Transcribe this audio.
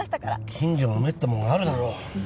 近所の目ってもんがあるだろ。